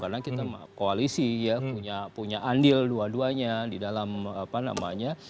karena kita koalisi ya punya andil dua duanya di dalam apa namanya